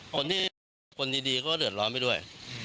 คนที่คนดีเขาก็เดือดร้อนไปด้วย